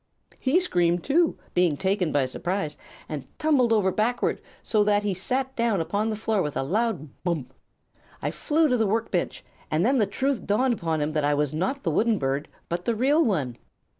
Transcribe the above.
"He screamed, too, being taken by surprise, and tumbled over backward so that he sat down upon the floor with a loud bump. I flew to the work bench, and then the truth dawned upon him that I was not the wooden bird but the real one.